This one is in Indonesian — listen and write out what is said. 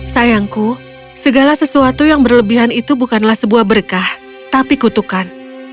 sayangku segala sesuatu yang berlebihan itu bukanlah sebuah berkah tapi kutukan